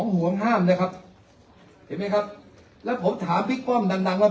ห่วงห้ามนะครับเห็นไหมครับแล้วผมถามพี่ป้อมดังว่า